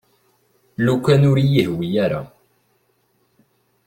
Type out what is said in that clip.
Lukan ur iyi-yehwi ara.